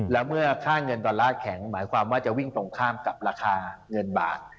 แล้วเมื่อค่าเงินดอลลาร์แข็งหมายความว่าจะวิ่งตรงข้ามกับราคาเงินบาท